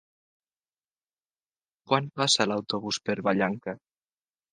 Quan passa l'autobús per Vallanca?